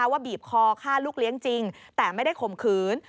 บีบคอฆ่าลูกเลี้ยงจริงแต่ไม่ได้ข่มขืน